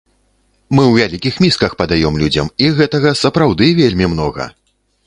Мы ў вялікіх місках падаём людзям, і гэтага сапраўды вельмі многа!